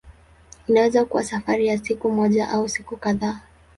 Inaweza kuwa safari ya siku moja au siku kadhaa.